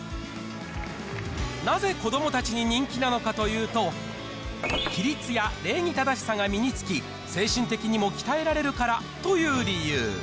なぜ、子どもたちに人気なのかというと、規律や礼儀正しさが身につき、精神的にも鍛えられるからという理由。